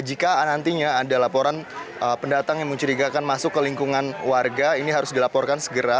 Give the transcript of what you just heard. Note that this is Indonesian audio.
jika nantinya ada laporan pendatang yang mencurigakan masuk ke lingkungan warga ini harus dilaporkan segera